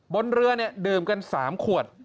บนเรือเนี่ยดื่มกัน๓ขวด